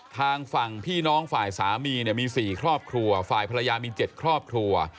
ทางฝั่งพี่น้องฝ่ายสามีเนี่ยมี๔ครอบครัวฝ่ายภรรยามี๗ครอบครัว